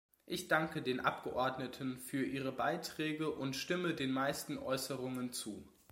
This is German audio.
Ich danke den Abgeordneten für ihre Beiträge und stimme den meisten Äußerungen zu.